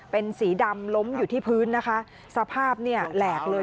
เป็นสีดำล้มอยู่ที่พื้นนะคะสภาพเนี่ยแหลกเลย